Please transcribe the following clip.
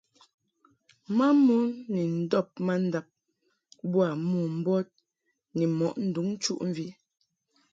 Mamon ni ndɔb mandab boa mombɔd ni mɔʼ nduŋ nchuʼmvi.